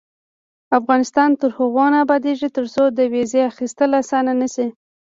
افغانستان تر هغو نه ابادیږي، ترڅو د ویزې اخیستل اسانه نشي.